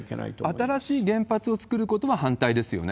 新しい原発を造ることは反対ですよね。